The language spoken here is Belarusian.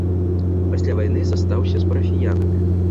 Пасля вайны застаўся з парафіянамі.